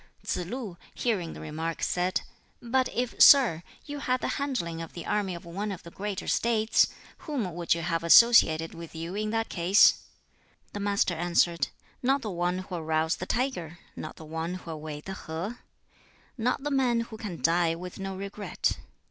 Tsz lu, hearing the remark said, "But if, sir, you had the handling of the army of one of the greater States, whom would you have associated with you in that case?" The Master answered: "Not the one 'who'll rouse the tiger,' Not the one 'who'll wade the Ho;' not the man who can die with no regret.